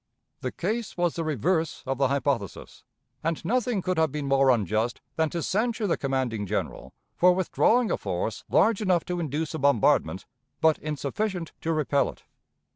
The case was the reverse of the hypothesis, and nothing could have been more unjust than to censure the commanding General for withdrawing a force large enough to induce a bombardment, but insufficient to repel it.